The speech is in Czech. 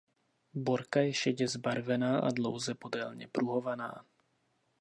Borka je šedě zbarvená a dlouze podélně pruhovaná.